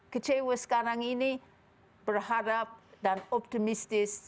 kecewa sekarang ini berharap dan optimistis